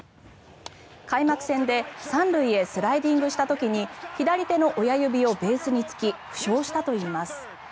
開幕戦で３塁へスライディングした時に左手の親指をベースに突き負傷したといいます。